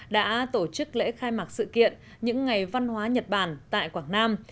đã tổ chức lễ khai mạc sự kiện những ngày văn hóa nhật bản tại quảng nam